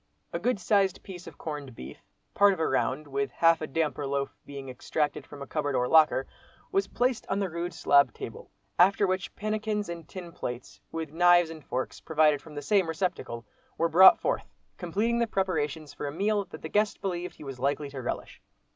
A good sized piece of corned beef, part of a round, with half a "damper" loaf being extracted from a cupboard or locker, was placed on the rude slab table; after which pannikins and tin plates, with knives and forks, provided from the same receptacle, were brought forth, completing the preparations for a meal that the guest believed he was likely to relish.